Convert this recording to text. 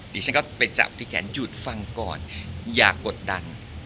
ดิฉันก็ไปจับที่แขนหยุดฟังก่อนอย่ากดดัน